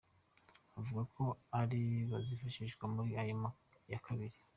Avuga ko ari bo bazifashishwa muri iyo ya kabiri.